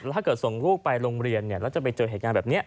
ถ้าเกิดส่งลูกไปโรงเรียนแล้วจะไปเจอเหตุการณ์แบบนี้